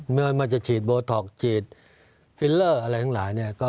ไม่ว่ามันจะฉีดโบท็อกฉีดฟิลเลอร์อะไรทั้งหลาย